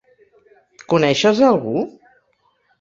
Coneixes a algú?